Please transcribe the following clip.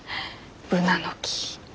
ブナの木。